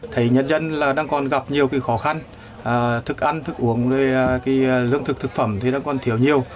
thấy nhân dân đang còn gặp nhiều khó khăn thức ăn thức uống lương thực thức phẩm đang còn thiếu nhiễm